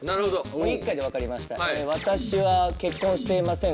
もう１回でわかりました。